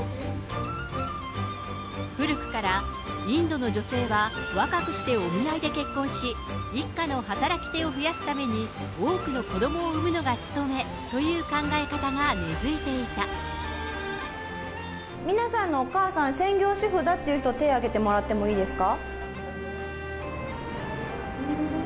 古くからインドの女性は若くしてお見合いで結婚し、一家の働き手を増やすために多くの子どもを産むのが務めという考皆さんのお母さん、専業主婦だっていう人、手をあげてもらってもいいですか。